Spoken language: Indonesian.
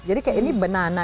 jadi kayak ini banana